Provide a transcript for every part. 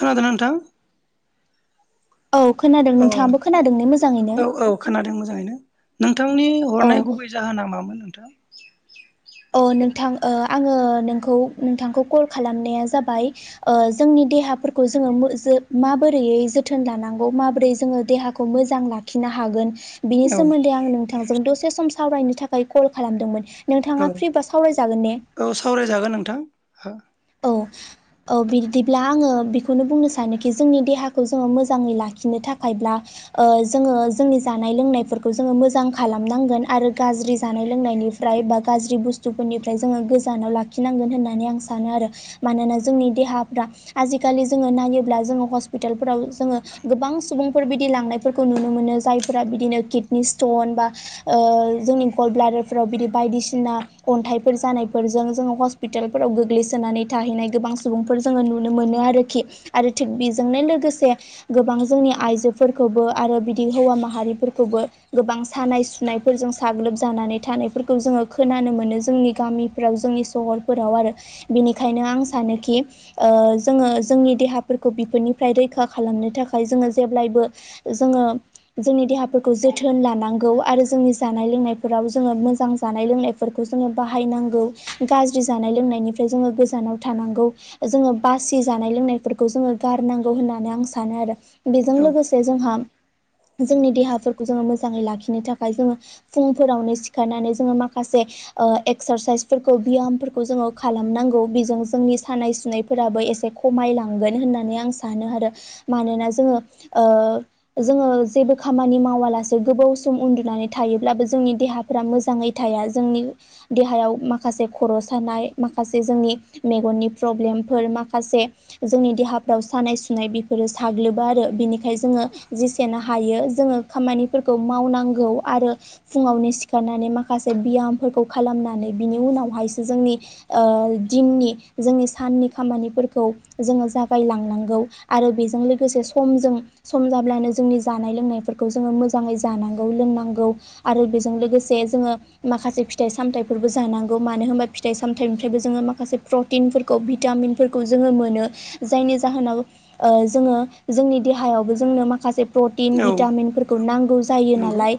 खोनादोंना नोंथां? औ खोनादों औ नोंथाङाबो खोनादों ने मोजाङैनो औ औ खोनादोंमोन। जाङैनो। नोंथांनि औ हरनाय गुबै जाहोना मामोन नोंथां? अ नोंथां ओ आङो नोंखौ नोंथांखौ कल खालामनाया जाबाय जोंनि देहाफोरखौ जोङो मो माबोरैयै जोथोन लानांगौ माबोरै जोङो देहाखौ मोजां लाखिनो हागोन। बिनि औ सोमोन्दै आं नोंथांजों दसे सम सावरायनो थाखाय कल खालामदोंमोन औ नोंथाङा फ्रिबा सावरायजागोन ने औ सावरायजागोन नोंथां। औ औ बिरदिब्ला आङो बेखौनो बुंनो सानोखि जोंनि देहाखौ जोङो मोजाङै लाखिनो थाखायब्ला ओ जोङो जोंनि जानाय लोंनायफोरखौ जोङो मोजां खालामनांगोन आरो गाज्रि जानाय लोंनाय निफ्राय बा गाज्रि बुस्थुफोरनिफ्राय जोङो गोजानाव लाखिनांगोन होननानै आं सानो आरो। मानोना जोंनि देहाफ्रा आजिखालि जोङो नायोब्ला जोङो हस्पिटालफोरफ्राव जोङो गोबां सुबुंफोर बिदि लांनायफोरखौ नुनो मोनो जायफोरा बिदिनो किडनि स्टन बा ओ जोंनि गल ब्लादारफोराव बिदि बायदिसिना अन्थाइफोर जानायफोरजों जोङो हस्पिटालफोराव गोग्लैसोनानै थाहैनाय गोबां सुबुंफोर जोङो नुनो मोनो आरोखि आरो थिग बेजोंनो लोगोसे गोबां जोंनि आइजोफोरखौबो आरो बिदि हौवा माहारिफोरखौबो गोबां सानाय सुनायफोरजों साग्लोब जा नानै थानायफोरखौ जोङो खोनानो मोनो जोंनि गामिफोराव जोंनि सहराव आरो। बिनि खायनो आं सानोखि जोङो जोंनि देहाफोरखौ बेफोरनिफ्राय रैखा खालामनो थाखाय जों जेब्लायबो जोङो जोंनि देहाफोरखौ जोथोन लानांगौ आरो जोंनि जानाय लोंनाय फिराव जोङो मोजां जानाय लोंनायफोरखौ जोङो बाहायनांगौ गाज्रि जानाय लोंनायनिफ्राय जोङो गो जानाव थानांगौ जोङो बासि जानाय लोंनायफोरखौ जोङो गारनांगौ होननानै आं सानो आरो। बेजों औ लोगोसे जोंहा जोंनि देहाफोरखौ जोङो मोजाङै लाखिनो थाखाय जोङो फुंफोरावनो सिखारनानै जोङो माखासे ओ एकसारसाइसफोरखौ बियामफोरखौ जोङो खालामनांगौ बि जों जोंनि सानाय सुनायफोराबो एसे खमायलांगोन होननानै आं सानो आरो। मानोना जोङो ओ जोङो जेबो खामानि मावालासे गोबाव सम उन्दुनानै थायोब्लाबो जोंनि दे हाफ्रा मोजाङै थाया। जोंनि देहायाव माखासे खर' सानाय माखासे जोंनि मेगननि प्रब्लेमफोर माखासे जोंनि देहाफ्राव सानाय सुनाय बेफोरो साग्लोबो आरो, बिनिखा खाय जोङो जेसेनो हायो जोङो खामानिफोरखौ मावनांगौ आरो फुङावनो सिखारनानै माखासे बियामफो खौ खालामनानै बिनि उनावहायसो जोंनि ओ दिननि जोंनि साननि खामानिफोरखौ जोङो जागायलांनांगौ आरो बेजों लोगोसे समजों सम जाब्लानो जोंनि जानाय लोंनायफोरखौ जोङो मोजाङै जानांगौ लोंनांगौ आरो बेजों लोगो से जोङो माखासे फिथाइ सामथाइफोरबो जानांगौ मानो होनबा फिथाइ सामथाइनिफ्रायबो जोङो माखासे प्रटिनफोरखौ भिटामिनफोरखौ जोङो मोनो जायनि जाहोनाव ओ जोङो जोंनि देहायावबो जोंनो माखासे प्रटिन औ भिटामिनफोरखौ नांगौ जायो नंगौ नालाय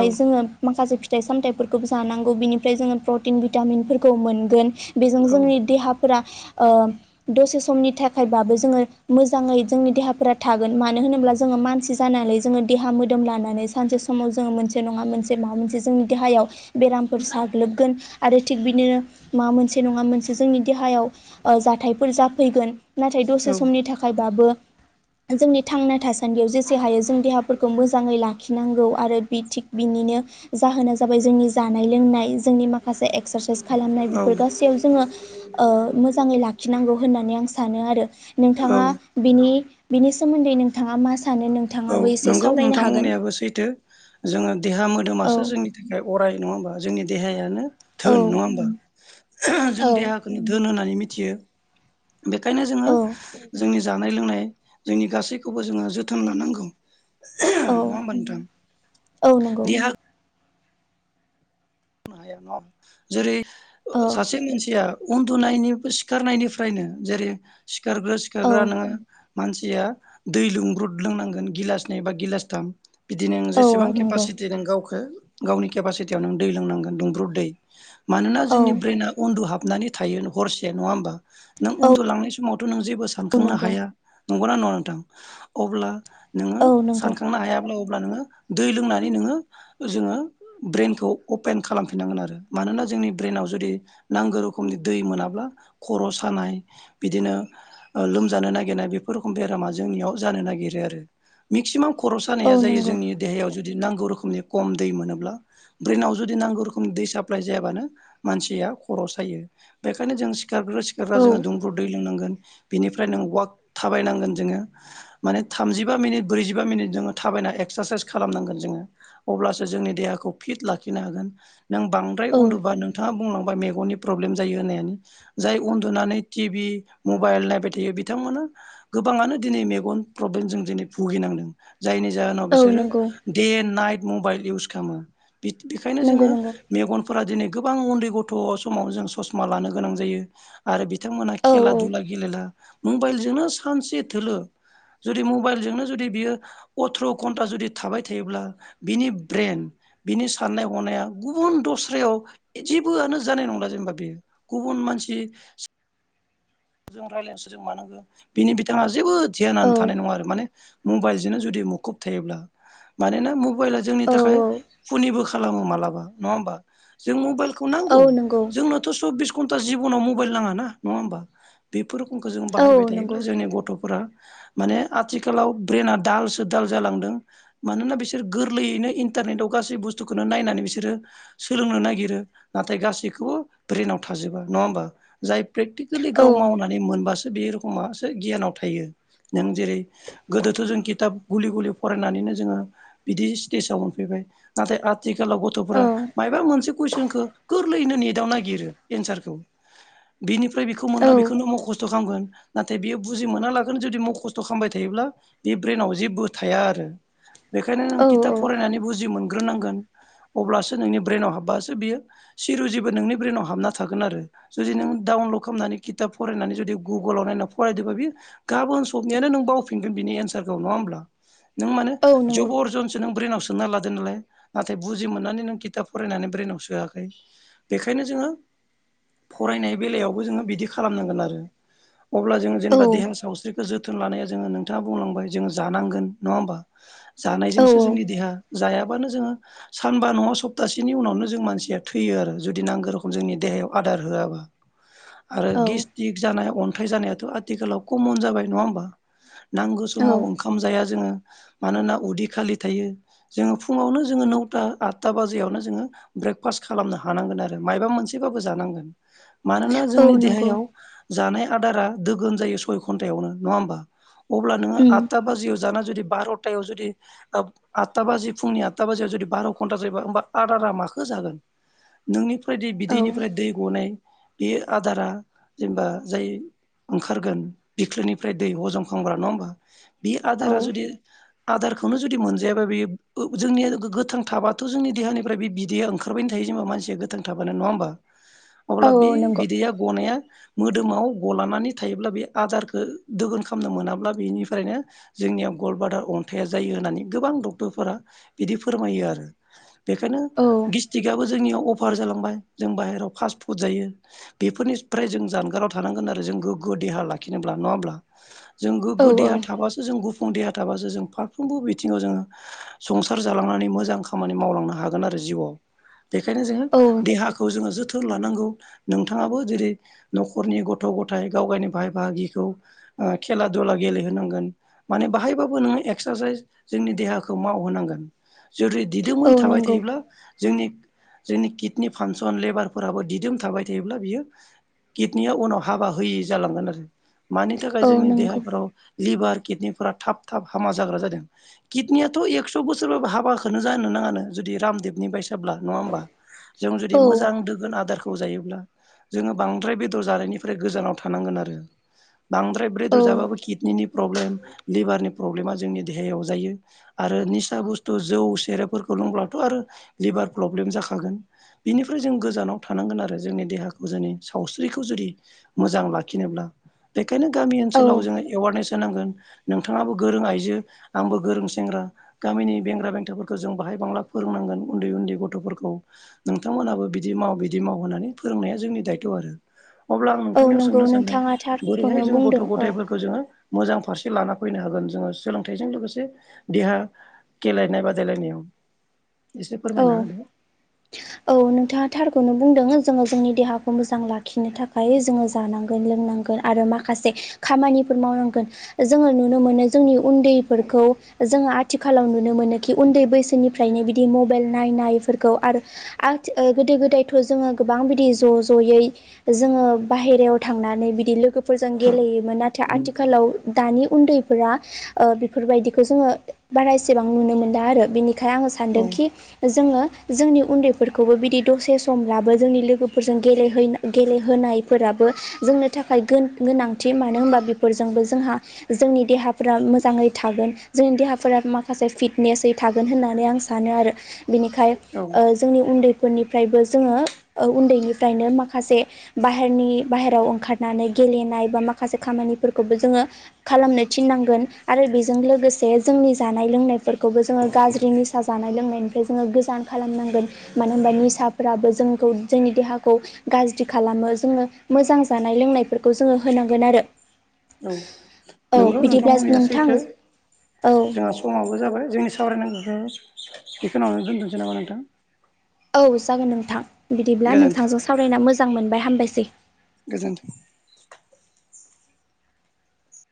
औ जोङो माखासे फि थाइ सामथाइफोरखौबो जानांगौ बिनिफ्राय जोङो प्रटिन भिटामिनफोरखौ मोनगोन बेजों औ जोंनि देहाफोरा ओ दसे समनि थाखायबाबो जोङो मोजाङै जोंनि देहाफोरा थागोन। मानो होनोब्ला जोङो मानसि जानानै जोङो देहा मोदोम लानानै सानसे समाव जोङो मोनसे नङा मोनसे मा जोंनि देहायाव बेरामफोर साग्लोबगोन आरो थिग बिनिनो माबा मोनसे नङा मोनसे जोंनि देहायाव ओ जाथायफोर जाफैगोन। नाथाय दसे औ समनि थाखायबाबो जोंनि थांना थासान्दियाव जेसे हायो जों देहाफोरखौ मोजाङै लाखिनांगौ आरो बि थिग बिनिनो जाहोना जाबाय जोंनि जानाय लोंनाय। जोंनि माखासे एक्सारसाइस खालामनाय औ बेफोर गासैयाव जोङो ओ मोजाङै लाखिनांगौ होननानै आं सानो आरो औ नोंथाङा बिनि नि बिनि सोमोन्दै नोंथाङा मा सानो औ नोंथाङाबो एसे नंगौ सावरायनो नोंथां हागोन बुंनायाबो सैथो। जोङो देहा औ मोदोमासो जोंनि थाखाय अराय नङा होमबा? जोंनि देहायानो औ धोन नङा होमबा? जों देहाखौनो धोन होननानै मि थियो। बेखायनो जोङो औ जोंनि जानाय लोंनाय जोंनि गासैखौबो जोङो जोथोन लानांगौ । औ नङा होमबा नोथां? औ नंगौ देहा हाया नङा। जेरै औ ओ सासे मानसिया उन्दुनायनि सिखारनायनिफ्रायनो जे जेरै सिखारग्रो औ सिखारग्रा नोङो मानसिया दै लुंब्रुद लोंनांगोन गिलासनै बा गिलासथाम बिदि नों औ जेसेबां नंगौ केपासिटि दों गावखौ गावनि केपासिटियाव नों दै लोंनांगोन दुंब्रुद दै। मानोना औ जोंनि ब्रेना उन्दु हाबनानै थायो हरसे नङा होमबा? नों औ उन्दुलांनाय समाव थ' नों जेबो सानखांनो नंगौ हाया नंगौना नङा नोंथां? अब्ला नोङो औ नंगौ सानखांनो हायाब्ला अब्ला नोङो दै लोंनानै नोङो, जोङो ब्रेनखौ अपेन खालामफिनांगोन आरो मानोना जोंनि ब्रेनाव जुदि नांगौ रोखोमनि दै मोनाब्ला खर' सानाय बिदिनो ओ लोमजानो नागिरनाय बेफोर रोखोम बेरामा जोंनियाव जानो नागिरो आरो। मेक्सिमाम खर' औ सानाया जायो नंगौ जोंनि देहायाव जुदि नांगौ रोखोमनि खम दै मोनोब्ला ब्रेनाव जुदि नांगौ खुनुरुखुम दै साप्लाय जायाबानो मानसिया खर' सायो। बेखायनो जों सिखारग्रा सिखारग्रा औ जो दुंब्रुद दै लोंनांगो गोन बेनिफ्राय वाक थाबायनांगोन जोङो माने थामजिबा मिनिट ब्रैजिबा मिनिट जोङो थाबायना एक्सारसाइस खालामनांगोन जोङो अब्लासो जोंनि देहाखौ फिट लाखिनो हागोन । नों बांद्राय औ उन्दुबा नोंथाङा बुंलां बाय मेगननि प्रब्लेम जायो होन्नायानो। जाय उन्दुनानै टि भि मबाइल नायबाय थायो बिथांमोना गोबाङानो दिनै मेगन प्रब्लेम जों दिनै भुगिनांदों। जायनि जाहोनाव औ बिसोरो नंगौ दे नाइट मबाइल इउस खालामो। बि बेखायनो नंगौ जोङो नंगौ मेगनफोरा दिनै गोबां उन्दै गथ' समाव जों ससमा लानो गोनां जायो। आरो बि बिथांमोनहा औ खेला दुला गेलेला मबाइलजोंनो सानसे थोलो जुदि मबाइलजोंनो जुदि बियो अथ्र' घन्टा जुदि थाबाय थायोब्ला बिनि ब्रेन बिनि साननाय हनाया गुबुन दस्रायाव जेबोआनो जानाय नंला जेनेबा बेयो गुबुन मानसि जों रायलायनो सोरजों मानांगौ बिनि बिथाङा जेबो औ ध्यानानो थानाय नङा आरो माने मबाइल बिदिनो जुदि मुखुब थायोब्ला मानोना मबाइला जोंनि औ थाखाय खुनिबो खालामो मालाबा नङा होमबा? जों मबाइखौ औ नांगौ नंगौ जोंनोथ' सबिस घन्टा जिबनाव मबाइल नाङा ना, नङा होमबा? बेफोर खौ जों औ बाहायबाय नंगौ थायोब्ला जोंनि गथ'फोरा माने आथिखालाव ब्रेना दालसो दाल जालांदों मानोना बिसोर गोरलैयैनो इन्टारनेटआव गासै बुस्थुखौनो नायनानै बिसोरो सोलोंनो नागिरो नाथाय गासैखौबो ब्रेनाव थाजोबा। नङा होमबा? जाय प्रेकटिकेलि औ गाव मावनानै मोनबासो बे रख'मासो गियानाव थायो । नों जेरै गोदोथ' जों खिथाब गुलि गुलि फरायनानैनो जोङो बिदि स्टेजाव मोनफैबाय नाथाय आथिखालाव औ गथ'फोरा मायबा मोनसे‌ कुइसनखौ गोरलैनो नेटआव ननायागिरो एनसारखौ‌। बिनि फ्राय बेखौ औ मोनला बेखोनो मखस्थ' खामगोन नाथाय बियो बुजि मोना लागोन जुदि मखस्थ' खामबाय थायोब्ला बे ब्रेनाव जेबो थाया आरो। बेखायनो नों औ खिथाब फरायनानै बुजि मोनग्रोनांगोन। अब्लासो नोंनि ब्रेनाव हाबबासो बियो सिरुजिबो नोंनि ब्रेनाव हाबना थागोन आरो जुदि नों दाउन ल खोमनानै खिथाब फरायनानै जुदि गुगोलाव नायनानै फरायदोबा बियो गाबोन सबनियानो नों बावफिनगोन बिनि एन्सार खौ नङा होनब्ला? नों मानो औ नंगौ जबर जनसों ब्रेननाव सो सोना लादो नालाय। नाथाय बुजि मोननानै नों खिथाब फरायनानै ब्रेनाव सोआखै बेखायनो जोङो फरायनाय बेलायावबो जोङो बिदि खालामनांगोन आरो अब्ला जोङो औ जेनबा देहानि सावस्रि जोथोन लानाया जोङो नोंथाङा बुंलांबाय जोङो जानांगोन नङा होमबा। औ जानायजोंसो जोंनि देहा जाया बानो जोङो सानबा नङा सप्तासेनि उनावनो जों मानसिया थैयो आरो जुदि नांगौ रोखोम जोंनि देहायाव थार होआबो। आरो औ गेस्ट्रिक जानाय अन्थाइ जानायाथ' आथिखालाव कमन जाबाय नङा होमबा। नांगौ औ समाव ओंखाम जाया जोङो मानोना उदै खालि थायो जोङो फुङावनो जोङो नौथा आतथा बाजियावनो जोङो ब्रेकफास्ट खालामनो हानांगोन आरो मायबा मोनसेबाबो जानांगोन। मानोना औ जोंनि नंगौ देहायाव जानाय आदारा दोगोन जायो सय घन्टायावनो नङा होमबा। अब्ला नोङो उम आतथा बाजियाव जाना जुदि बार'था याव जुदि ओब आतथा बाजि फुंनि आतथा बाजियाव जुदि बार' घन्टा जायो होमबा आदा दा मा माखो जागोन नोंनिफ्राय दै औ बिदैनिफ्राय दै गनाय बेयो आदारा जेनबा जाय ओंखारगोन बिख्लोनिफ्राय दै हजमखग्रा नङा होमबा बे औ आदारा जुदि आदारखौनो जुदि मोनजायाबा बेयोब जोंनिया गोथां थाबाथ' जोंनि देहानिफ्राय बे बिदैया ओंखारबायनो थायो। बे जेनबा मानसिया गोथां थाबानो नङा होमबा औ अब्ला बे नंगौ बिदैया गनाया मोदोमाव गलानानै थायोब्ला बे आदारखो दोगोन खालामनो मोनाब्ला बेनिफ्रायनो जो नियाव गल बादार अन्थाइा जायो होननानै गोबां डक्टरफोरा बिदि फोरमायो आरो बेखायनो औ गिस्टिकआबो जोंनियाव अफार जालांबाय जों बाहेरायाव फास्ट फुड जायो। बेफोरनिफ्राय जों जानगाराव थानांगोन आरो जों गोग्गो देहा लाखिनोब्ला नङा होमब्ला जों औ गोगो देहा थाबासो जों गु फुं देहा थाबासो जों फारफ्रोमबो बिथिङाव जोङो संसार जालांनानै मोजां खामानि मावलांनो हागोन आरो जिउआव बेखायनो जोङो औ देहाखौ जोङो जोथोन लानांगौ नोंथाङाबो जेरै न'खरनि गथ' गथाय गाव गायनि बाहाय बाहागिखौ ओ खेला दुला गेलेहोनांगोन माने बाहायबाबो नोङो एक्सारसाइस जोंनि देहाखौ मावहोनांगोन जुदि दिदोमै औ थाबाय नंगौ थायोब्ला जोंनि जोंनि किडनि फांसन लेबारफोराबो दिदोम थाबय थेयोब्ला बियो किटनिया उनाव हाबा होयै जालांगोन आरो मानि थाखाय औ जोंनि नंगौ देहाफ्राव लिभार किडनि फोरा थाब थाब हामा जाग्रा जादों किडनियाथ' एकस' बोसोरबाबो हाबाखोनो जानो नाङानो जु दि रामदेबनि बायसाब्ला नङा होमबा जों जुदि औ मोजां दोगोन आदारखौ जायोब्ला जोङो बांद्राय बेदर जानायनिफ्राय गोजानाव थानांगोन आरो बांद्राय औ ब्रेदर जाबाबो किडनिनि प्रब्लेम लिभारनि प्रब्लेमा जोंनि देहायाव जायो आरो निसा बुस्थु जौ सेरेबफोरखो लुंब्लाथ' आरो लिभार प्रब्लेम जाखागोन बिनिफ्राय जों गोजानाव थानांगोन आरो जोंनि देहाखो जोनि सावस्रिखौ जुदि मोजां लाखिनोब्ला खायनो गामि ओनसोलाव जाङो एवारनेस होनांगोन नोंथाङाबो गोरों आइजो आंबो गोरों सेंग्रा गामिनि बेंग्रा बेंथाफोरखो जों बाहाय बांला फोर रोंनांगोन उन्दै उन्दै गथ'फोरखौ नोंथांमोनहाबो बिदि माव बिदि माव होननानै फोरोंनाया जोंनि दायथ' आरो अब्ला आं औ नोंथांनियाव नंगौ सोंनो सानदों नोंथाङा बोरैहाय थारखौनो जों गथ' बुंदों औ गथायफोरखौ जोङो मोजां फारसे लाना फैनो हागोन जोङो सोलोंथाइजों लोगोसे देहा गेलेनाय बादायलायनायाव एसे औ फोरमायना होदो। औ नोंथाङा थारखौनो बुंदों जोङो जोंनि देहाखौ मोजां लाखिनो थाखाय जोङो जानांगोन लोंनांगोन आरो माखासे खामानिफोर मावनांगोन जोङो नुनो मोनो जोंनि उन्दैफोरखौ जोङो आथिखालाव नुनो मोनो खि उन्दै बैसोनिफ्राय बिदि मब बेल नायनायफोरखौ आरो आथस ओ गोदो गोदायथ' जोङो गोबां बिदि ज' ज'यै जोङो बाहेरायाव थांनानै बिदि लोगोफोरजों गेलेयोमोन नाथाय आथिखालाव दानि उन्दैफोरा ओ बेफोरबायदिखौ जोङो बारा एसेबां नुनो मोनला आरो बेनिख खाय आङो औ सानदोंखि जोङो जोंनि उन्दैफोरखौबो बिदि दसे समब्लाबो जोंनि लोगोफोरजों गेलेहैना गेलेहोना नायफोराबो जोंनो थाखाय गोन गोनांथि मानो होनबा बेफोरजोंबो जोंहा जोंनि देहाफोर रा मोजाङै थागोन जों देहाफोरा माखासे फिटनेसै थागोन होननानै आं सानो आरो। बिनिखाय औ ओ जोंनि उन्दै फोरनिफ्रायबो जोङो ओ उन्दैनिफ्रायनो माखासे बाहेरनि बाहेराव ओंखारनानै गे गेलेनाय बा माखासे खामानिफोरखौबो जोङो खालामनो थिननांगोन आरो बेजों लोगोसे जों नि जानाय लोंनायफोरखौबो जोङो गाज्रि निसा जानाय लोंनायनि जोङो गोजान खालामनांगोन मानो होनबा निसाफ्राबो जोंखौ जोंनि देहाखौ गाज्रि खालाम जोङो मोजां जानाय लोंनायफोरखौ जोङो होनांगोन आरो औ औ नंगौ नोंथां बिदिब्ला बुंनाया नोंथां सैथो। औ जोंहा समाबो जाबाय जोंनि सावरायनांगौखौ बेखौ उनावनो दोनदोसै नामा नोंथां? औ जागोन नोंथां बिदिब्ला गोजोन्थों नोंथांजों सावरायना मोजां मोनबाय हामबायसै। गोजोनथों।